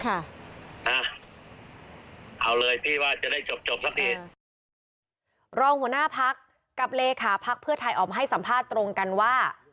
เอาเลยพี่ว่าจะได้จบจบสักทีรองหัวหน้าพักกับเลขาพักเพื่อไทยออกมาให้สัมภาษณ์ตรงกันว่า